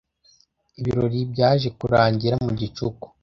Ibirori byaje kurangira mu gicuku